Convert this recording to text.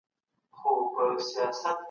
هیڅوک باید د زور قرباني نه سي.